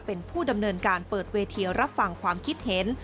เป็นผู้ดำเนินการเปิดเวทีรับฟังความคิดเห็น